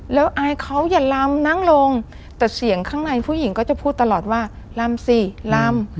แล้วอายเขาอย่าลำนั่งลงแต่เสียงข้างในผู้หญิงก็จะพูดตลอดว่าลำสิลำ